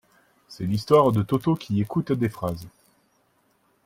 C'est l'histoire de Toto qui écoute des phrases.